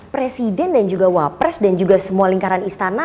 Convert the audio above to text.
presiden dan juga wapres dan juga semua lingkaran istana